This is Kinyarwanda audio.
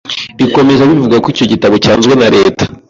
Bikomeza bivugwa ko icyo gitabo cyanzwe na leta